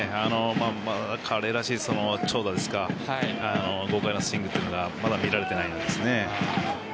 彼らしい長打ですか豪快なスイングというのがまだ見られていないですね。